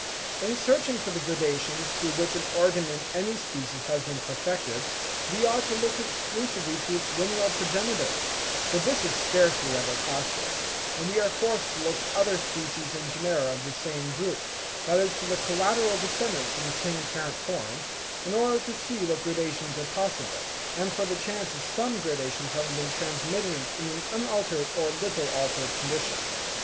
In searching for the gradations through which an organ in any species has been perfected, we ought to look exclusively to its lineal progenitors; but this is scarcely ever possible, and we are forced to look to other species and genera of the same group, that is to the collateral descendants from the same parent form, in order to see what gradations are possible, and for the chance of some gradations having been transmitted in an unaltered or little altered condition.